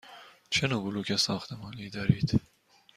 چه نوع بلوک ساختمانی دارید؟